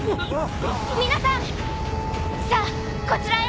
・皆さん！さあこちらへ！